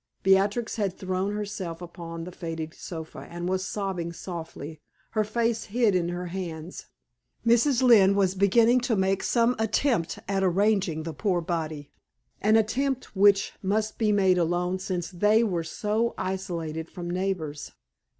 Beatrix had thrown herself upon the faded sofa, and was sobbing softly, her face hid in her hands. Mrs. Lynne was beginning to make some attempt at arranging the poor body an attempt which must be made alone since they were so isolated from neighbors.